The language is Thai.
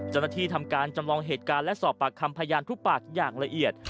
ทำการจำลองเหตุการณ์และสอบปากคำพยานทุกปากอย่างละเอียด